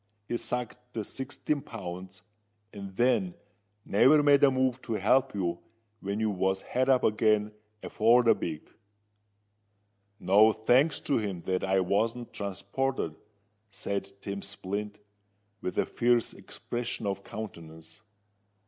"He sacked the sixteen pounds, and then never made a move to help you when you was had up again afore the beak." "No thanks to him that I wasn't transported," said Tim Splint, with a fierce expression of countenance.